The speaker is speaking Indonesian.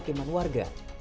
bagaimana keman warga